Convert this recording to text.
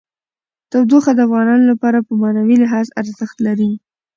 تودوخه د افغانانو لپاره په معنوي لحاظ ارزښت لري.